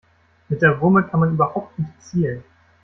Mit der Wumme kann man überhaupt nicht zielen.